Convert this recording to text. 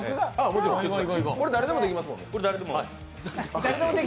これ、誰でもできますもんね。